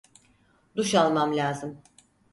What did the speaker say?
Duş almam lazım.